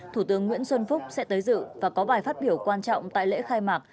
thủ tướng nguyễn xuân phúc sẽ tới dự và có bài phát biểu quan trọng tại lễ khai mạc